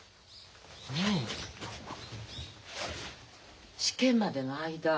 ねえ試験までの間